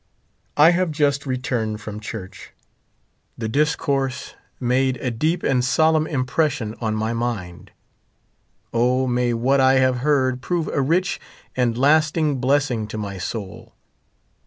I have just returned from church. The discourse made 38 a deep and solemn impression on my mind. O, may what I have heard prove a rich and lasting blessing to my soul.